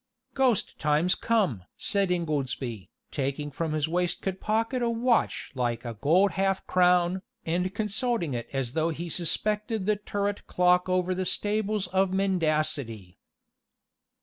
"Ghost time's come!" said Ingoldsby, taking from his waistcoat pocket a watch like a gold half crown, and consulting it as though he suspected the turret clock over the stables of mendacity.